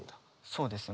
そうです。